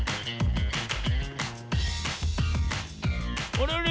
あれあれ？